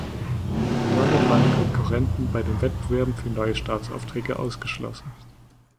Damit waren Konkurrenten bei den Wettbewerben für neue Staatsaufträge ausgeschlossen.